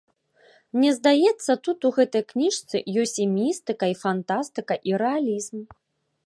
Мне здаецца, тут, у гэтай кніжцы, ёсць і містыка, і фантастыка, і рэалізм.